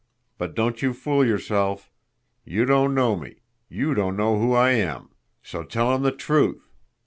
But don't you fool yourself. You don't know me you don't know who I am. So tell 'em the TRUTH!